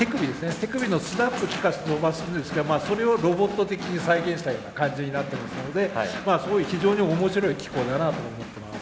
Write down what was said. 手首のスナップ利かして飛ばすんですけどそれをロボット的に再現したような感じになってますのですごい非常に面白い機構だなと思ってます。